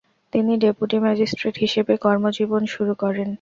তিনি deputy magistrate হিসেবে কর্মজীবন শুরু করেন।